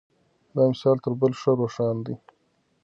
دا مثال تر بل ښه روښانه دی.